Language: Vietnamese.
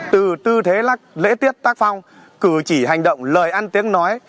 từ tư thế lễ tiết tác phong cử chỉ hành động lời ăn tiếng nói